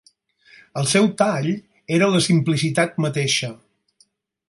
El seu tall era la simplicitat mateixa.